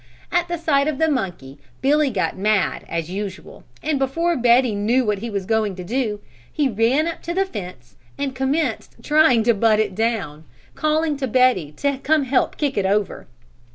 At sight of the monkey Billy got mad, as usual, and before Betty knew what he was going to do, he ran up to the fence and commenced trying to butt it down, calling to Betty to come help kick it over.